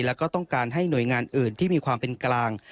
แล้วก็ต้องการให้หน่วยงานอื่นที่มีความเป็นกลาง